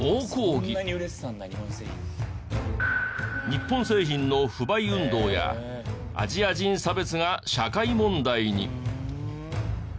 日本製品の不買運動やアジア人差別が社会問題に。